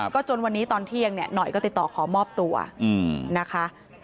ก็จนวันนี้ตอนเที่ยงเนี่ยหน่อยก็ติดต่อขอมอบตัวนะคะ